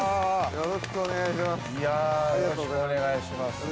◆よろしくお願いします。